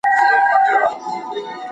د ټولنې پټ واقعیتونه وپلټئ.